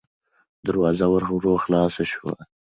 دروازه ورو خلاصه شوه.